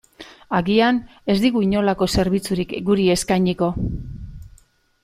Agian, ez digu inolako zerbitzurik guri eskainiko.